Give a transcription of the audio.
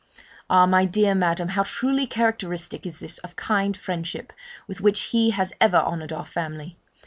'Ah! my dear Madam, how truly characteristic is this of the kind friendship with which he has ever honoured our family!